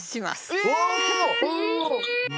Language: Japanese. え！